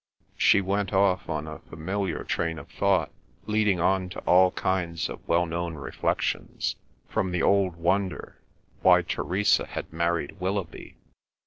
She went off on a familiar train of thought, leading on to all kinds of well known reflections, from the old wonder, why Theresa had married Willoughby?